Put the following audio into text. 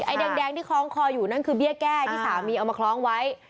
แดงที่คล้องคออยู่นั่นคือเบี้ยแก้ที่สามีเอามาคล้องไว้